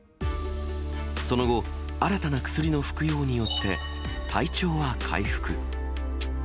その後、新たな薬の服用によって、体調は回復。